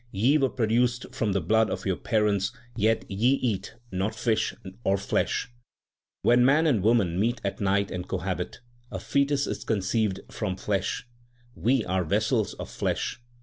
Ye were produced from the blood of your parents, yet ye eat not fish or flesh. When man and woman meet at night and cohabit, A foetus is conceived from flesh ; we are vessels of flesh.